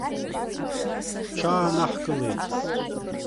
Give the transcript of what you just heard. Ҳҽаанаҳкылеит.